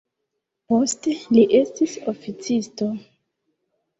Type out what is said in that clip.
Poste li estis oficisto.